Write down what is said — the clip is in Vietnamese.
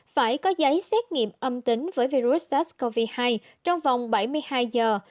phải có giấy xét nghiệm âm tính với virus sars cov hai trong vòng bảy mươi hai giờ